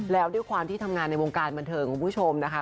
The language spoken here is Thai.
แล้วด้วยความที่ทำงานในวงการบันเทิงคุณผู้ชมนะคะ